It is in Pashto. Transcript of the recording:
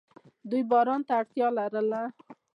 دوی باران ته اړتیا لرله.